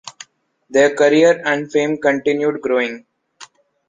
Their career and fame continued growing.